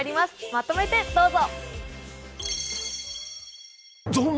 まとめてどうぞ。